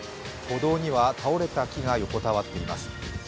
歩道には倒れた木が横たわっています。